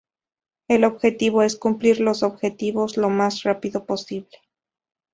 El objetivo es cumplir los objetivos lo más rápido posible.